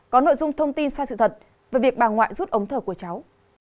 có nội dung thông tin sai sự thật về việc bà ngoại rút ống thở của cháu